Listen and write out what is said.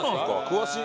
詳しい！